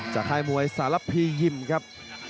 ค่ายมวยสารพียิมครับ